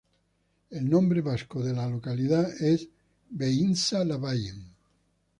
El nombre vasco de la localidad es "Beintza-Labaien".